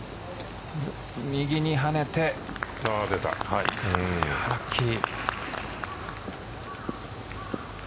右に跳ねてラッキー。